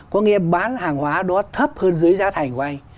có nghĩa bán hàng hóa đó thấp hơn dưới giá thành của anh